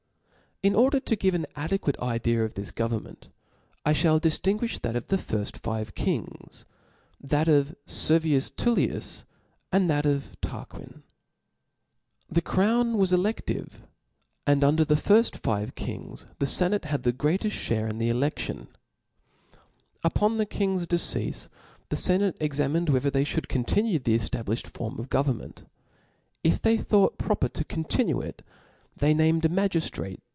la order^to^jve ah adequate idea of thiS govern inenftj I fhall diftinguifh that of the five nrft kingSi that df Servius Tujlius, and that of Tarquin. The crowjl' was cledivc, tod Under the five firft kiiigs the ienate had the greatqlt fhare in the fele<5tibn. tJpbn the kiqg*5 deceafe the fenate exaniined whe ther they IJiouid continue, the cftabliflied form of . jgovtrnment. If they thought proper to continucl. . it, they iiam(*d a faiigiftrate